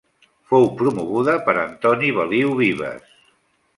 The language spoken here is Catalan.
Fou promoguda per Antoni Baliu Vives.